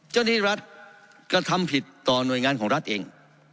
เจ้าหน้าที่รัฐกระทำผิดต่อหน่วยงานของรัฐเอง